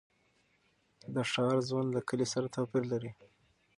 د ښار ژوند له کلي سره توپیر لري.